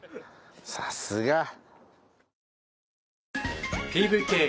さすが。